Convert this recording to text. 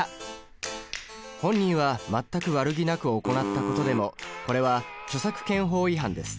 本人は全く悪気なく行ったことでもこれは著作権法違反です。